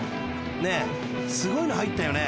［ねえすごいの入ったよね？］